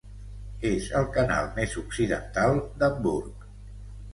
És el canal més occidental d'Hamburg.